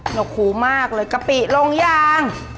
หกหูมากเลยกะปิลงยาง